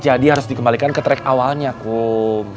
jadi harus dikembalikan ke track awalnya kum